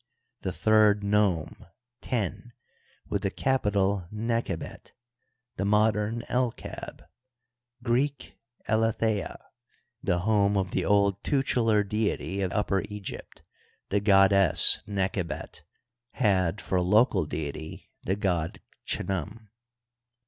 The third nome. Ten, with the capital Nechebet, the modem Elkab, Greek Eletheiay the home of the old tutelar deity of Upper Egypt, the goddess Nechebet, had for local deity the god Chnum.